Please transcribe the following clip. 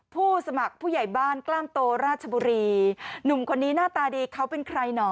ผู้สมัครผู้ใหญ่บ้านกล้ามโตราชบุรีหนุ่มคนนี้หน้าตาดีเขาเป็นใครเหรอ